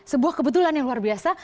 sebuah kebetulan yang luar biasa